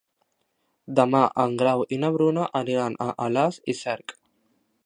Demà en Grau i na Bruna aniran a Alàs i Cerc.